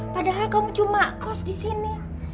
padahal kamu cuma kos di sini